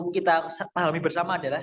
kita pahami bersama adalah